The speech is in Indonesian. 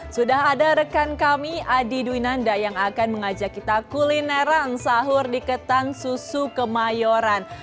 sudah ada rekan kami adi dwinanda yang akan mengajak kita kulineran sahur di ketan susu kemayoran